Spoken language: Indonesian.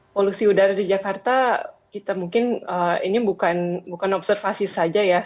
polisi udara di jakarta ini bukan observasi saja